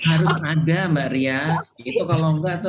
harus ada mbak ria itu kalau enggak tuh